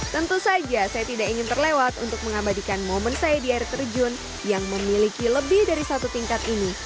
tentu saja saya tidak ingin terlewat untuk mengabadikan momen saya di air terjun yang memiliki lebih dari satu tingkat ini